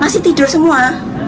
masih tidur semua